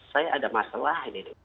saya ada masalah ini